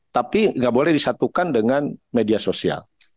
tapi nggak boleh disatukan dengan media sosial